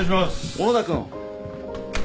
小野田君。